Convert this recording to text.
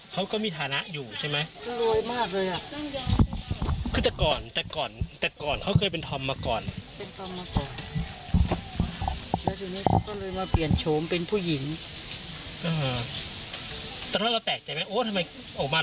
เหมือนคนคนที่ธรรมกัน